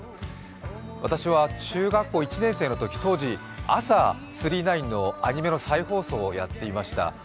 私は中学校１年生のとき、当時、朝「銀河鉄道９９９」のアニメの再放送をやっていました。